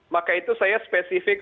maka itu saya spesifik